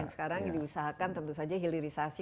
sekarang diusahakan tentu saja hilirisasi